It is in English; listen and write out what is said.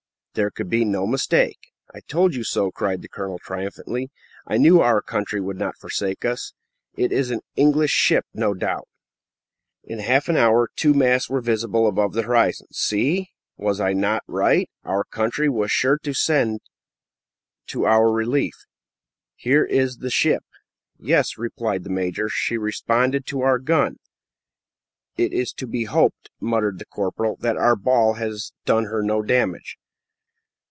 There could be no mistake. "I told you so," cried the colonel, triumphantly. "I knew our country would not forsake us; it is an English ship, no doubt." In half an hour two masts were visible above the horizon. "See! Was I not right? Our country was sure to send to our relief. Here is the ship." "Yes," replied the major; "she responded to our gun." "It is to be hoped," muttered the corporal, "that our ball has done her no damage."